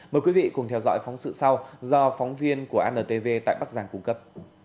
mời quý vị cùng theo dõi phóng sự sau do phóng viên của antv tại bắc giang cung cấp